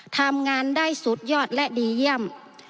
ทำงานได้สุดยอดและดีเยี่ยม